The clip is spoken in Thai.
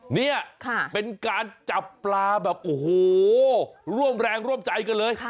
นี่เป็นการจับปลาแบบโอ้โหร่วมแรงร่วมใจกันเลย